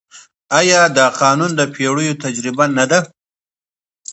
آیا دا قانون د پېړیو تجربه نه ده؟